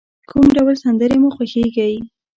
کوم ډول سندری مو خوښیږی؟